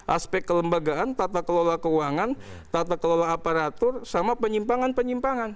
aspek kelembagaan tata kelola keuangan tata kelola aparatur sama penyimpangan penyimpangan